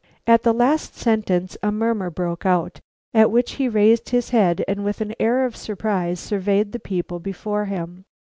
At the last sentence a murmur broke out, at which he raised his head and with an air of surprise surveyed the people before him.